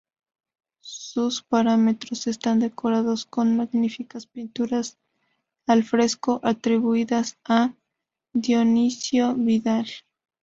Sus paramentos están decorados con magníficas pinturas al fresco, atribuidas a Dionisio Vidal.